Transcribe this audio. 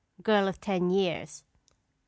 GIRL OF TWO YEARS. MR.